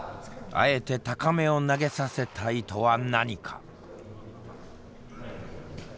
あえて高めを投げさせた意図は何か。